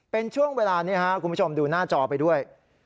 เป็นช่วงเวลานี้ครับคุณผู้ชมดูหน้าจอไปด้วย